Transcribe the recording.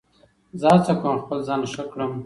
زه هڅه کوم خپل ځان ښه کړم.